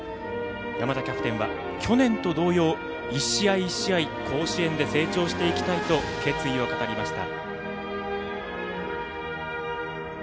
山田キャプテンは去年と同様１試合１試合甲子園で成長していきたいと決意を語りました。